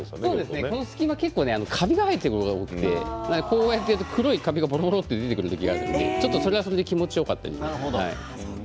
この隙間は結構カビが生えていることが多くてこれをやると黒いカビがぼろぼろ出てくることがあってそれはそれで気持ちがいいです。